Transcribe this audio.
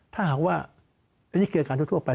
ถ้าหากว่านี่เกี่ยวกับอาการทั่วไป